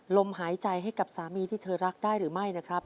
ลมหายใจให้กับสามีที่เธอรักได้หรือไม่นะครับ